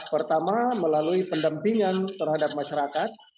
pertama melalui pendampingan terhadap masyarakat